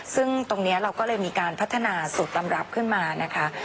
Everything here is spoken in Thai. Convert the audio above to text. ซึ่งตรงนี้เราก็เลยมีการพัฒนาสูตรตำรับขึ้นมานะคะ